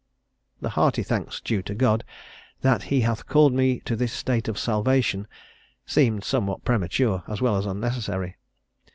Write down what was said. The hearty thanks due to God "that he hath called me to this state of salvation," seem somewhat premature, as well as unnecessary.